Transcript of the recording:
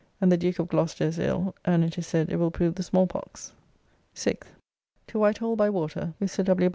] and the Duke of Gloucester is ill, and it is said it will prove the small pox. 6th. To Whitehall by water with Sir W.